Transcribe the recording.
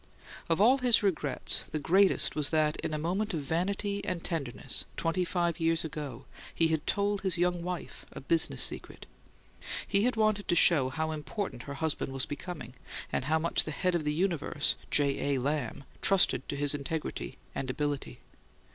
Of all his regrets the greatest was that in a moment of vanity and tenderness, twenty five years ago, he had told his young wife a business secret. He had wanted to show how important her husband was becoming, and how much the head of the universe, J. A. Lamb, trusted to his integrity and ability.